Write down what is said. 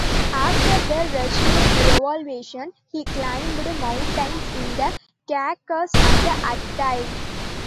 After the Russian revolution, he climbed mountains in the Caucasus and Altai.